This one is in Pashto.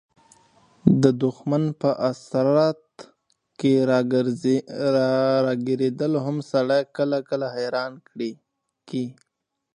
د دښمن په اسارت کښي راګیرېدل هم سړى کله – کله حيران کي.